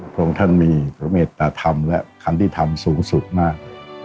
พระองค์ท่านมีพระเมตตาธรรมและคันติธรรมสูงสุดมาก